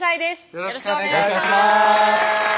よろしくお願いします